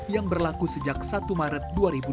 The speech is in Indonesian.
yang berlaku sejak satu maret dua ribu dua puluh